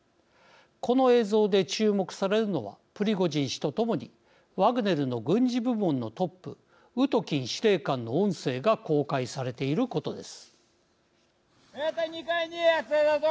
この映像で注目されるのはプリゴジン氏と共にワグネルの軍事部門のトップウトキン司令官の音声が公開されていることです。